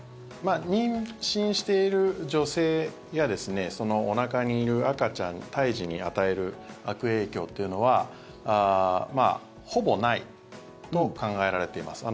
妊娠している女性やそのおなかにいる赤ちゃん胎児に与える悪影響というのはほぼないと考えられています。